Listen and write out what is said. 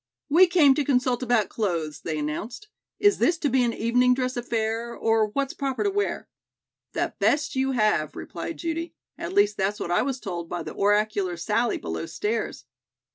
"We came to consult about clothes," they announced. "Is this to be an evening dress affair, or what's proper to wear?" "The best you have," replied Judy, "at least that's what I was told by the oracular Sally below stairs."